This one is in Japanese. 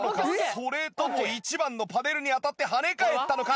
それとも１番のパネルに当たって跳ね返ったのか？